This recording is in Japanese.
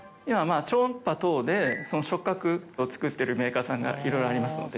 超音波等で触覚を作ってるメーカーさんがいろいろありますので。